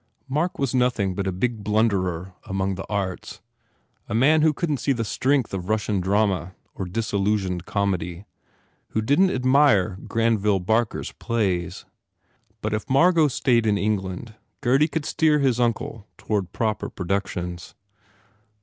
Mark was nothing but a big blunderer among the arts, a man who couldn t see the strength of Russian drama or disillusioned comedy, who didn t admire Granville Barker s plays. But if Margot stayed in England Gurdy could steer his uncle toward proper productions.